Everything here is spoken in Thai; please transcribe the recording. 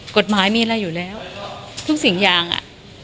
กฎหมายมีอะไรอยู่แล้วทุกสิ่งอย่างอ่ะ